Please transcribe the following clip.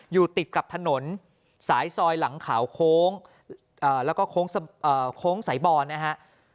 อยู่ติดกับถนนสายซอยหลังขาวโค้งแล้วก็โค้งสายบอลนะฮะ